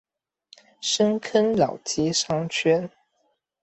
深坑老街商圈